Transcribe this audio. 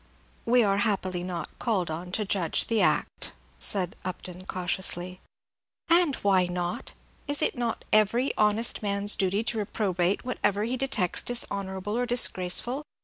"We are happily not called on to judge the act," said Upton, cautiously. "And why not? Is it not every honest man's duty to reprobate whatever he detects dishonorable or disgraceful?